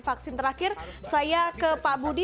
vaksin terakhir saya ke pak budi